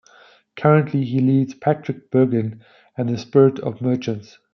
Currently, he leads Patrick Bergin and the Spirit Merchants.